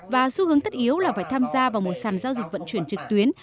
và xu hướng tất yếu là phải tham gia vào một sàn giao dịch vận chuyển trực tuyến